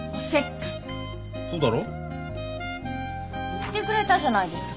言ってくれたじゃないですか